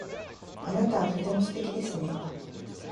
あなたはとても素敵ですね。